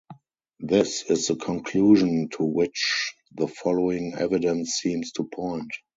This is the conclusion to which the following evidence seems to point.